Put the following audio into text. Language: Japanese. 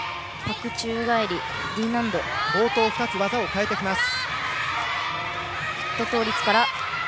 冒頭２つ技を変えてきます。